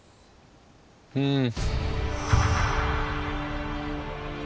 うん。